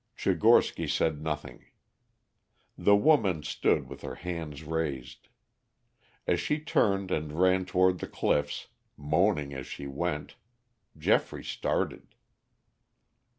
Tchigorsky said nothing. The woman stood with her hands raised. As she turned and ran towards the cliffs, moaning as she went, Geoffrey started.